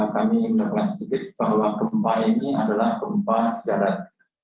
kami menerima sedikit bahwa gempa ini adalah gempa jarak